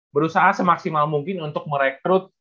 berusaha semaksimal mungkin untuk merekrut